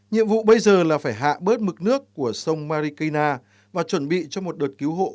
nhiệm vụ bây giờ là phải hạ bớt mực nước của sông marikina và chuẩn bị cho một đợt cứu hộ